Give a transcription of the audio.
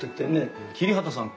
桐畑さん